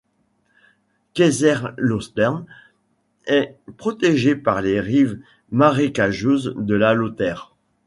Kaiserslautern est protégée par les rives marécageuses de la Lauter.